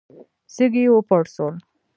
سږي يې وپړسول.